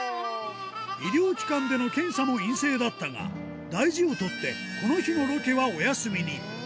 医療機関での検査も陰性だったが、大事をとって、この日のロケはお休みに。